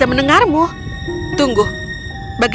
bekerja dengan begitu sehingga cantik vega